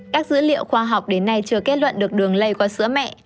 các dữ liệu khoa học đến nay chưa kết luận được đường lây qua sữa mẹ